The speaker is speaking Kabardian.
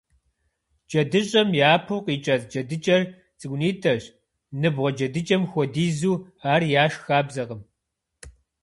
Джэдыщӏэм япэу къикӏэцӏ джэдыкӏэр цӏыкӏунитӏэщ, ныбгъуэ джэдыкӏэм хуэдизу, ар яшх хабзэкъым.